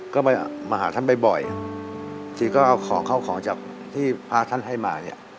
ก็มาหาท่านบ่อยทีก็เอาของเข้าของจากที่พระท่านให้มาเนี่ย